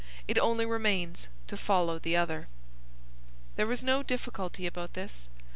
It only remains to follow the other." There was no difficulty about this.